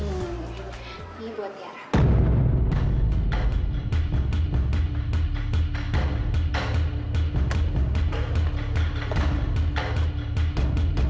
ini buat tiara